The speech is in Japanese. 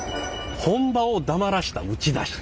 「本場をだまらした打ち出し」。